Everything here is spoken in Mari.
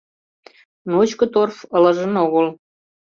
Ночко торф ылыжын огыл.